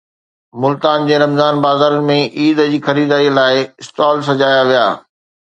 ملتان جي رمضان بازارن ۾ عيد جي خريداريءَ لاءِ اسٽال سجايا ويا